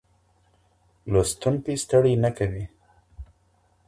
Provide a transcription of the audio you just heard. لوستونکی ستړی نه کوي.